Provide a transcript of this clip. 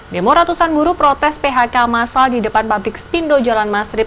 demo ratusan buruh protes phk masal di depan pabrik spindo jalan masrib